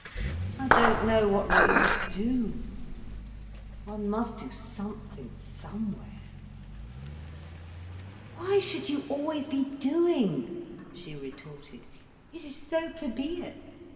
I don't know what really to do. One must do something somewhere." "Why should you always be doing?" she retorted. "It is so plebeian.